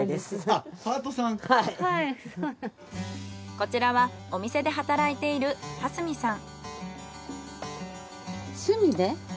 こちらはお店で働いている蓮見さん。